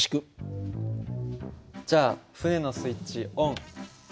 じゃあ船のスイッチオン。